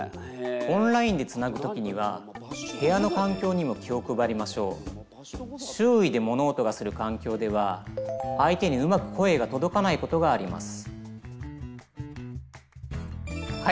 オンラインでつなぐ時には周囲で物音がする環境では相手にうまく声が届かないことがあります。